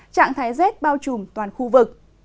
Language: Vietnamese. trạng thái rét bao trùm toàn khu vực